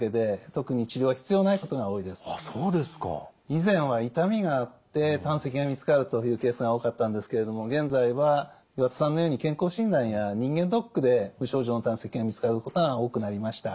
以前は痛みがあって胆石が見つかるというケースが多かったんですけれども現在は岩田さんのように健康診断や人間ドックで無症状の胆石が見つかることが多くなりました。